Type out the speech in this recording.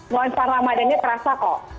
monster ramadannya terasa kok